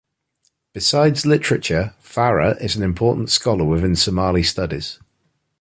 Besides literature, Farah is an important scholar within Somali Studies.